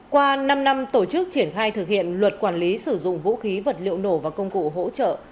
qua năm năm tổ chức triển khai thực hiện luật quản lý sử dụng vũ khí vật liệu nổ và công cụ hỗ trợ